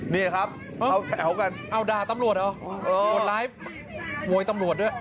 นี่ครับเข้าแถวกันเอาด่าตำรวจเหรอคนร้ายโวยตำรวจด้วย